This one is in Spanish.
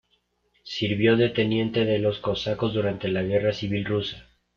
Sirvió de teniente de los cosacos durante la Guerra Civil Rusa.